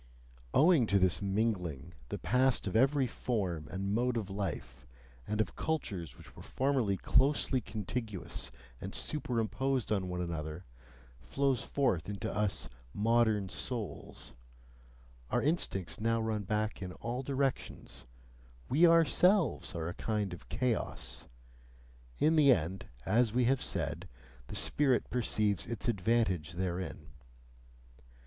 Owing to this mingling, the past of every form and mode of life, and of cultures which were formerly closely contiguous and superimposed on one another, flows forth into us "modern souls"; our instincts now run back in all directions, we ourselves are a kind of chaos: in the end, as we have said, the spirit perceives its advantage therein.